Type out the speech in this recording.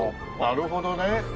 なるほどね。